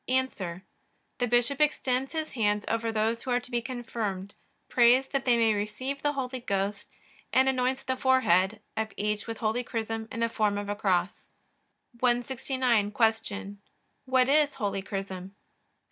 A. The bishop extends his hands over those who are to be confirmed, prays that they may receive the Holy Ghost, and anoints the forehead of each with holy chrism in the form of a cross. 169. Q. What is holy chrism?